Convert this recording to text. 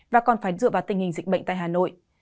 và còn phải dựa vào tình hình dịch bệnh tại hà nội